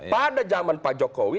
pada zaman pak jokowi